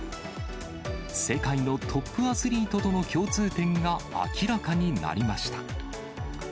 世界のトップアスリートとの共通点が明らかになりました。